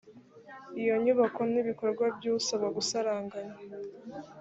iyo inyubako n ibikorwa by usaba gusaranganya